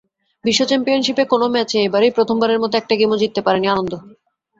বিশ্ব চ্যাম্পিয়নশিপের কোনো ম্যাচে এবারই প্রথমবারের মতো একটা গেমও জিততে পারেননি আনন্দ।